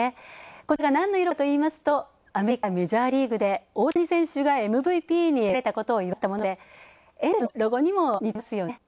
こちらがなんの色かといいますとアメリカ・メジャーリーグで大谷選手がＭＶＰに選ばれたことを祝ったもので、エンゼルスのロゴにも似ていますよね。